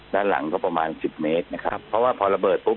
ด้านหลังก็ประมาณสิบเมตรนะครับเพราะว่าพอระเบิดปุ๊บ